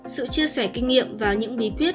sự chia sẻ kinh nghiệm và những bí quyết